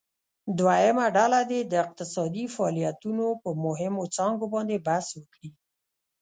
دویمه ډله دې د اقتصادي فعالیتونو په مهمو څانګو باندې بحث وکړي.